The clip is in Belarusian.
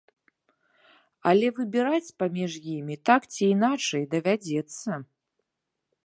Але выбіраць паміж імі, так ці іначай, давядзецца.